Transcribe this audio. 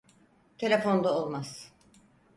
Telefonda olmaz.